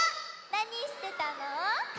なにしてたの？